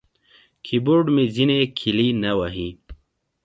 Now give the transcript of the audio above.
کیبورډ مې ځینې کیلي نه وهي.